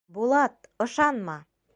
Булат, ышанма!